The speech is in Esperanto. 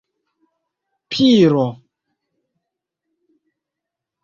piro